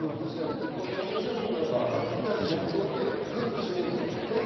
実効再生産数などが上がってきた状況を見て、ぐっと締めるということですね。